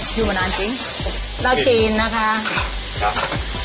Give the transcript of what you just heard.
ซีอิ๊วมานานจริงแล้วกินนะคะครับ